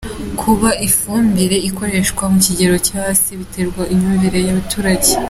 kuba ifumbire ikoreshwa ku kigero kiri hasi byo biterwa n’imyumvire y’abaturage.